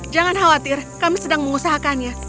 jangan khawatir kami sedang mengusahakannya